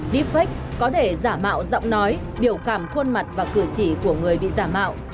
deepfake có thể giả mạo giọng nói biểu cảm khuôn mặt và cử chỉ của người bị giả mạo